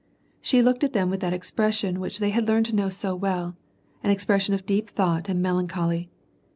She looked at them with that expression which they had learned to know so well, — an expression of deep thought and melancholy.